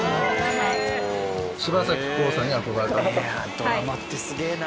ドラマってすげえな。